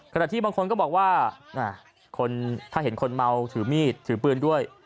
ที่บางคนก็บอกว่าถ้าเห็นคนเมาถือมีดถือปืนด้วย